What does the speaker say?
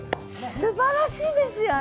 すばらしいですよあなた！